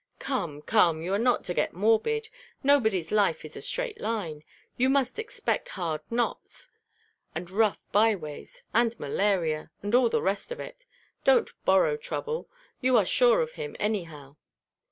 "Come, come, you are not to get morbid. Nobody's life is a straight line. You must expect hard knots, and rough by ways, and malaria, and all the rest of it. Don't borrow trouble. You are sure of him, anyhow."